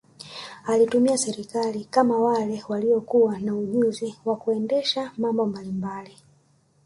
Alitumia serikali kwa wale walio kuwa na ujuziwa kuendesha mambo mbalimbali